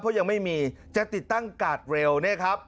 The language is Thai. เพราะยังไม่มีจะติดตั้งกาดเร็วเนี่ยครับ